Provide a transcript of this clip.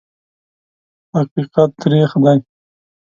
حقیقت تریخ دی .